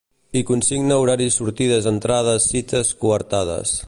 Hi consigna horaris sortides entrades cites coartades.